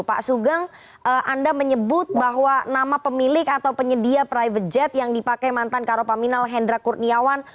pak sugeng anda menyebut bahwa nama pemilik atau penyedia private jet yang dipakai mantan karopaminal hendra kurniawan